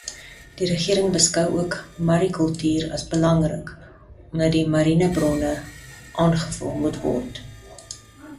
Die regering beskou ook marikultuur as belangrik omdat die mariene bronne aangevul moet word.